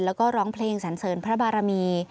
แล้วก็ร้องเพลงสันเสริญพระบารมี